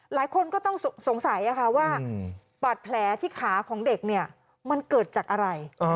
หลายคนก็ต้องสงสัยว่าบาดแผลที่ขาของเด็กเนี่ยมันเกิดจากอะไร